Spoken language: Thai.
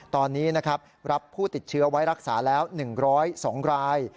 ตอนนี้นะครับรับผู้ติดเชื้อไว้รักษาแล้ว๑๐๒ราย